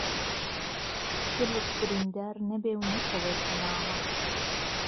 دڵت بریندار نهبێ و نهکهویته ناڵه